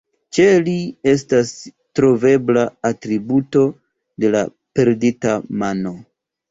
Ĉe li estas trovebla atributo de la perdita mano.